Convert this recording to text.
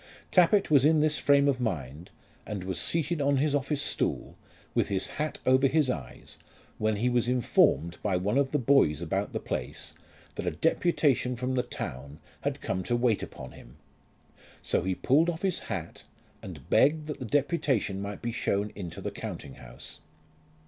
Tappitt was in this frame of mind, and was seated on his office stool, with his hat over his eyes, when he was informed by one of the boys about the place that a deputation from the town had come to wait upon him; so he pulled off his hat, and begged that the deputation might be shown into the counting house.